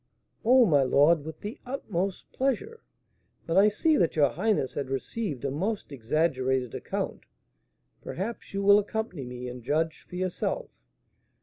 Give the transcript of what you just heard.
'" "Oh, my lord, with the utmost pleasure. But I see that your highness had received a most exaggerated account. Perhaps you will accompany me, and judge for yourself.